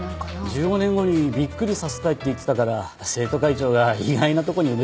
１５年後にびっくりさせたいって言ってたから生徒会長が意外なとこに埋めたのかもね